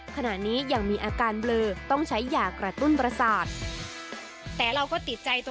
ขณะนี้ยังมีอาการเบลอต้องใช้หยากระตุ้นประสาท